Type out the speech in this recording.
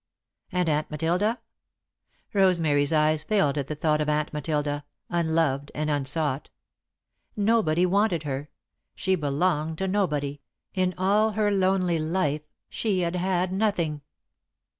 And Aunt Matilda? Rosemary's eyes filled at the thought of Aunt Matilda, unloved and unsought. Nobody wanted her, she belonged to nobody, in all her lonely life she had had nothing.